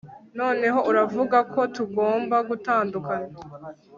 noneho uravuga ko tugomba gutandukana